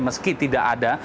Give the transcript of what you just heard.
meski tidak ada